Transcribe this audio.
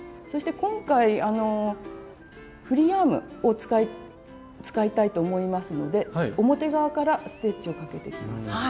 そして今回フリーアームを使いたいと思いますので表側からステッチをかけていきます。